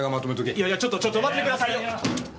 いやいやちょっと待ってくださいよ！